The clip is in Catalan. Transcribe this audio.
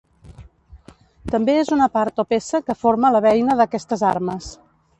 També és una part o peça que forma la beina d'aquestes armes.